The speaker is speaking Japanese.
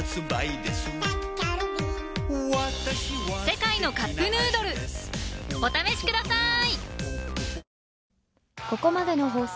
「世界のカップヌードル」お試しください！